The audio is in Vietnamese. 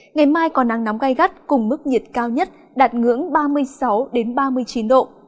ngày mai có nắng nóng gai gắt cùng mức nhiệt cao nhất đạt ngưỡng ba mươi sáu ba mươi chín độ